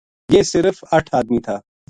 یہ صرف اَٹھ ادمی تھا